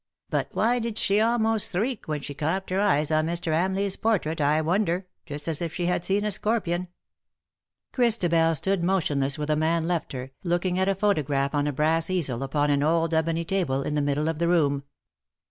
But why did she almost s'riek when she clapt her eyes on Mr. 'Amleigh's portrait, I wonder, just as if she had seen a scorpiont." Christabel stood motionless where the man left her, looking at a photograph on a brass easel upon an old ebony table in the middle of the room.